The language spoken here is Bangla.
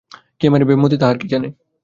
কে মারিবে মতি তাহার কী জানে?